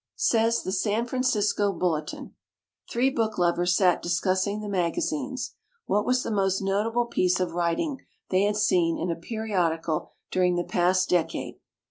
Says the San Francisco "Bulletin": Three book lovers sat discussing the maga sines. What was the most notable piece of writing they had seen in a periodical during the past decade?